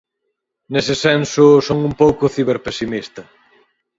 Nese senso son un pouco ciberpersimista.